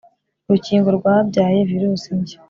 Urukingo rwabyaye virusi nshya